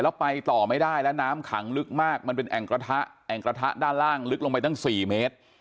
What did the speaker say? แล้วไปต่อไม่ได้แล้วน้ำขังลึกมากมันเป็นแอ่งกระทะแอ่งกระทะด้านล่างลึกลงไปตั้ง๔เมตร